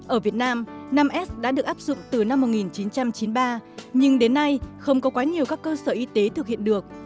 ở việt nam năm s đã được áp dụng từ năm một nghìn chín trăm chín mươi ba nhưng đến nay không có quá nhiều các cơ sở y tế thực hiện được